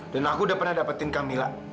dan aku udah pernah dapetin kamila